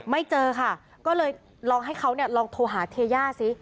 ไม่เจอค่ะก็เลยลองให้เขาเนี่ยลองโทรหาเทย่าซิ